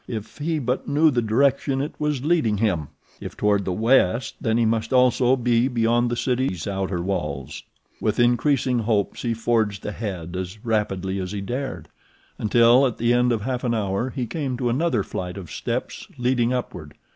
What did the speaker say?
If he but knew the direction it was leading him! If toward the west, then he must also be beyond the city's outer walls. With increasing hopes he forged ahead as rapidly as he dared, until at the end of half an hour he came to another flight of steps leading upward.